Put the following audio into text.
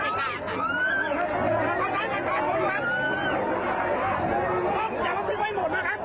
อย่าลองทิ้งเว้ยหมดมาครับ